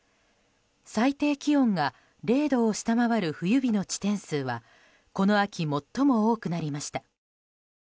最低気温が０度を下回る冬日の地点数はこの秋最も多くなりました。